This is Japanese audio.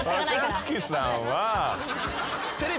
若槻さんは。